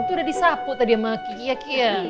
itu udah disapu tadi sama kiya kia